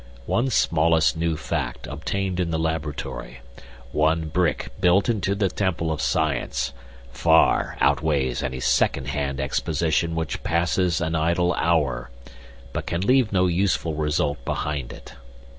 One smallest new fact obtained in the laboratory, one brick built into the temple of science, far outweighs any second hand exposition which passes an idle hour, but can leave no useful result behind it.